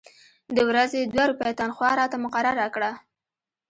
د ورځې دوې روپۍ تنخوا راته مقرره کړه.